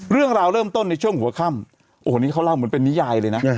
เริ่มต้นในช่วงหัวค่ำโอ้โหนี่เขาเล่าเหมือนเป็นนิยายเลยนะ